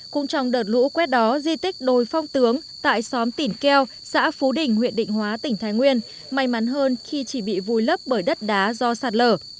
cũng trong đợt lũ quét đó di tích đồi phong tướng tại xóm tỉnh keo xã phú đình huyện định hóa tỉnh thái nguyên may mắn hơn khi chỉ bị vùi lấp bởi đất đá do sạt lở